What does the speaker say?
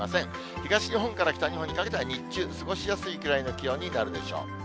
東日本から北日本にかけては、日中、過ごしやすいくらいの気温になるでしょう。